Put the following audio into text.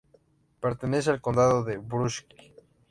Pertenece al Condado de Brunswick.